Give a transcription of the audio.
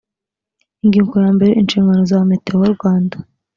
ingingo yambere inshingano za meteo rwanda